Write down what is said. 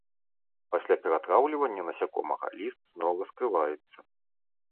Пасля ператраўлівання насякомага ліст зноў раскрываецца.